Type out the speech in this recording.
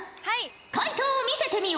回答を見せてみよ。